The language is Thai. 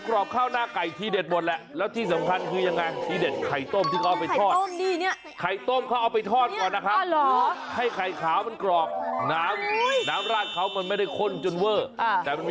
อร่อยเด็ดขนาดไหนติดตามไปช่วงปลาร์นเกม